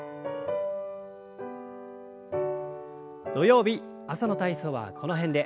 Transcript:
土曜日朝の体操はこの辺で。